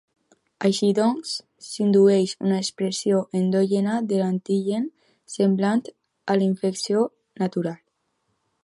Així doncs, s'indueix una expressió endògena de l'antigen, semblant a la infecció natural.